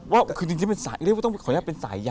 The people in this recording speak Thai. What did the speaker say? ว่าคือจริงเรียกว่าต้องขออนุญาตเป็นสายยัน